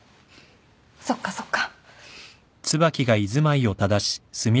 そっかそっか。